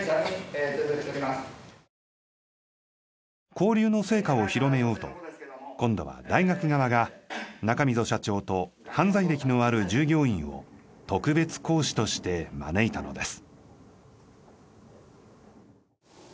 交流の成果を広めようと今度は大学側が中溝社長と犯罪歴のある従業員を特別講師として招いたのです。